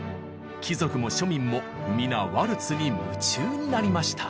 貴族も庶民も皆ワルツに夢中になりました。